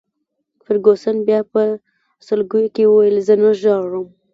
فرګوسن بیا په سلګیو کي وویل: زه نه ژاړم.